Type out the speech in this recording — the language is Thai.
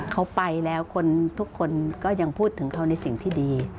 เขาไปแล้วคนทุกคนก็ยังพูดถึงเขาในสิ่งที่ดี